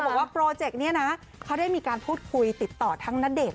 บอกว่าโปรเจกต์นี้นะเขาได้มีการพูดคุยติดต่อทั้งณเดชน